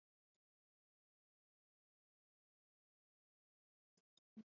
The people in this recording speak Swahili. kati yao kuhusu uvamizi wa Urusi nchini Ukraine